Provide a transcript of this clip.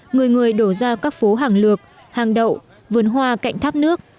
người người đổ ra các phố hàng lược hàng đậu vườn hoa cạnh tháp nước